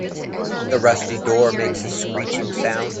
The rusty door makes a screeching sound.